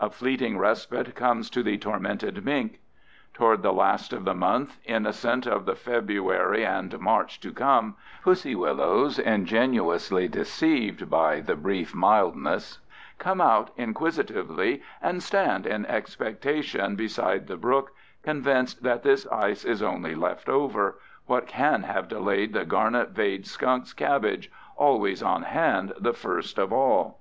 A fleeting respite comes to the tormented mink. Toward the last of the month, innocent of the February and March to come, pussy willows, ingenuously deceived by the brief mildness, come out inquisitively and stand in expectation beside the brook, convinced that this ice is only left over—what can have delayed the garnet veined skunk's cabbage, always on hand the first of all?